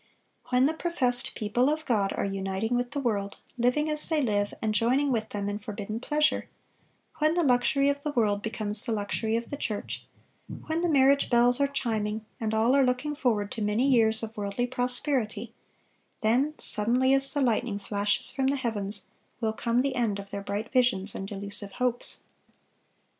(564) When the professed people of God are uniting with the world, living as they live, and joining with them in forbidden pleasure; when the luxury of the world becomes the luxury of the church; when the marriage bells are chiming, and all are looking forward to many years of worldly prosperity,—then, suddenly as the lightning flashes from the heavens, will come the end of their bright visions and delusive hopes.